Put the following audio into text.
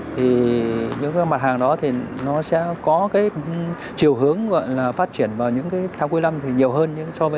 thì những mặt hàng đó sẽ có chiều hướng phát triển vào những tháng cuối năm nhiều hơn so với những tháng bình thường trong năm